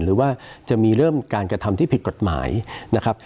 หรือว่าจะมีเริ่มการกระทำที่ผิดกฎหมายนะครับ